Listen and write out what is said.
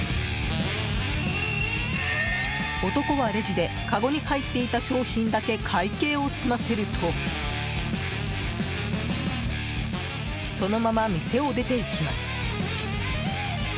男はレジでかごに入っていた商品だけ会計を済ませるとそのまま店を出て行きます。